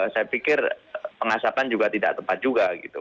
saya pikir pengasapan juga tidak tepat juga gitu